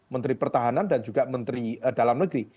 menteri pertahanan dan juga menteri dalam negeri